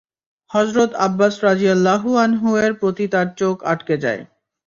হযরত Abbas রাযিয়াল্লাহু আনহু-এর প্রতি তার চোখ আটকে যায়।